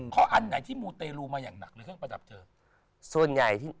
ข้ออันไหนที่มูเตรูมาอย่างหนักเลยครับประดับเธอ